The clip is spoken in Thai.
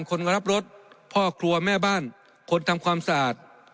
คนรับรถพ่อครัวแม่บ้านคนทำความสะอาด